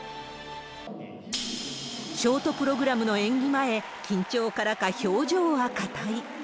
ショートプログラムの演技前、緊張からか表情は硬い。